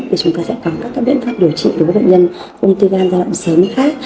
thì chúng ta sẽ có các biện pháp điều trị đối với bệnh nhân ung thư gan giai đoạn sớm khác